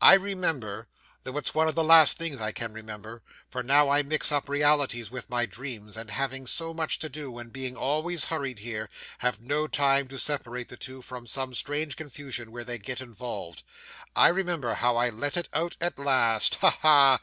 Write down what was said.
'I remember though it's one of the last things I can remember: for now I mix up realities with my dreams, and having so much to do, and being always hurried here, have no time to separate the two, from some strange confusion in which they get involved I remember how I let it out at last. Ha! ha!